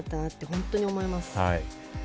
本当に思います。